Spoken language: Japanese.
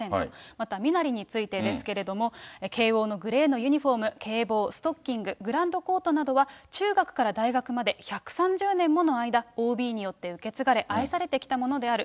また身なりについてですけれども、慶応のグレーのユニホーム、Ｋ帽、ストッキング、グランドコートなどは中学から大学まで１３０年もの間、ＯＢによって受け継がれ愛されてきたものである。